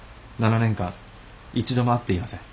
７年間一度も会っていません。